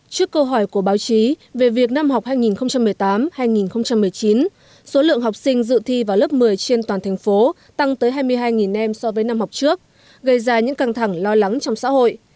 trước câu hỏi của báo chí về việc năm học hai nghìn một mươi tám hai nghìn một mươi chín số lượng học sinh dự thi vào lớp một mươi trên toàn thành phố tăng tới hai mươi hai em so với năm học trước gây ra những căng thẳng lo lắng trong xã hội